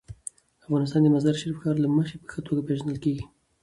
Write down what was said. افغانستان د مزارشریف د ښار له مخې په ښه توګه پېژندل کېږي.